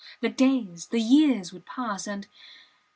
The days, the years would pass, and